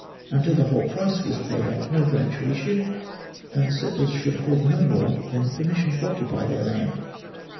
Until the whole price was paid up no grant should issue, and the settlers should hold no more than permission to occupy their land.